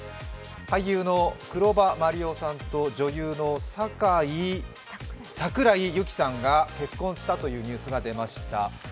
俳優の黒羽麻璃央さんと女優の桜井ユキさんが結婚したというニュースが出ました。